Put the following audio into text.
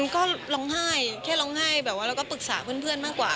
ก็ร้องไห้แค่ร้องไห้แบบว่าเราก็ปรึกษาเพื่อนมากกว่า